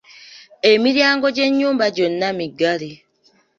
Emiryango gy'ennyumba gyonna miggale.